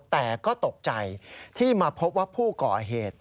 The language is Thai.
แต่ก็ตกใจที่มาพบว่าผู้ก่อเหตุ